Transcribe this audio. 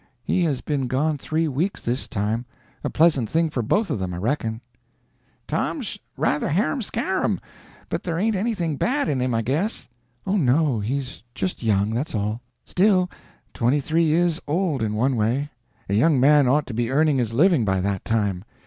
He has been gone three weeks this time a pleasant thing for both of them, I reckon." "Tom's rather harum scarum, but there ain't anything bad in him, I guess." "Oh, no, he's just young, that's all. Still, twenty three is old, in one way. A young man ought to be earning his living by that time.